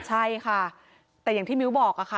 ใช่ค่ะแต่อย่างที่มิ้วบอกค่ะ